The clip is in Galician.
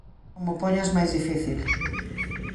Non mo poñas máis difícil.